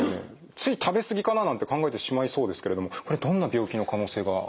つい食べすぎかな？なんて考えてしまいそうですけれどもこれどんな病気の可能性があるんですか？